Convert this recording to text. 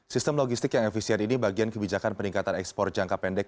sistem logistik yang efisien ini bagian kebijakan peningkatan ekspor jangka pendek